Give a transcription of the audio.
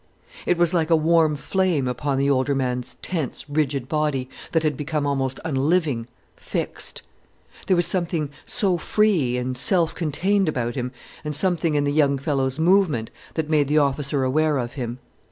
It was like a warm flame upon the older man's tense, rigid body, that had become almost unliving, fixed. There was something so free and self contained about him, and something in the young fellow's movement, that made the officer aware of him.